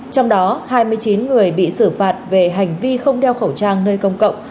trong đó hai mươi chín người bị xử phạt về hành vi không đeo khẩu trang nơi công cộng